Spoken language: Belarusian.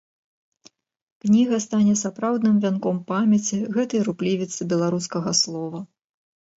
Кніга стане сапраўдным вянком памяці гэтай руплівіцы беларускага слова.